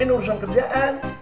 ini urusan kerjaan